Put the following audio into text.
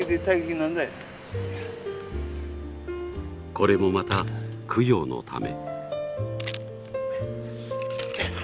これもまた供養のため。